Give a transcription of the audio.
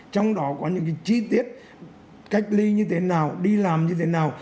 trong đó có những chi tiết cách ly như thế nào đi làm như thế nào